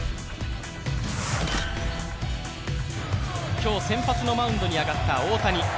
今日先発のマウンドに上がった大谷。